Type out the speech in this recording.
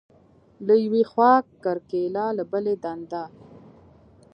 له یوې خوا کرکیله، له بلې دنده.